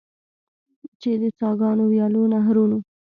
چې د څاګانو، ویالو، نهرونو.